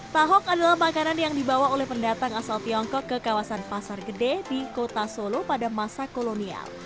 tahok adalah makanan yang dibawa oleh pendatang asal tiongkok ke kawasan pasar gede di kota solo pada masa kolonial